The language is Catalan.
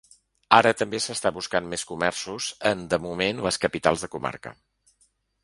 Ara també s’està buscant més comerços en, de moment, les capitals de comarca.